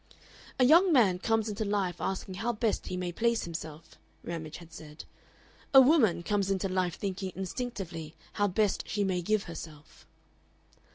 "A young man comes into life asking how best he may place himself," Ramage had said; "a woman comes into life thinking instinctively how best she may give herself."